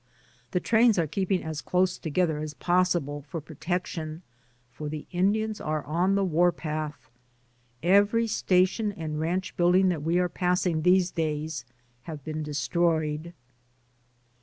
The trains are keeping as close together as possible, for protection, for the Indians are on the warpath. Every station and ranch building that we are passing these days have been destroyed.